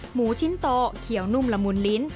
หมูชิ้นโตเขียวนุ่มละมุนลิ้น